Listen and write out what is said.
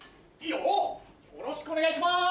よろしくお願いします！